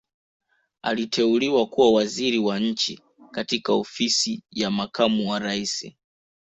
Aliteuliwa kuwa Waziri wa Nchi katika Ofisi ya Makamu wa Rais